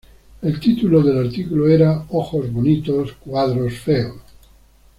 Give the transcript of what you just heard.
El título del artículo era "Ojos bonitos, cuadros feos".